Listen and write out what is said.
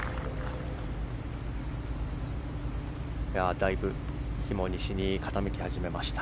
だいぶ日も西に傾き始めました。